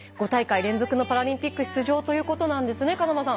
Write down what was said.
５大会連続のパラリンピック出場ということなんですね。